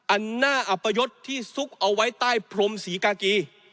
อันหน้าอัปยศที่ซุกเอาไว้ใต้พรมศรีกากี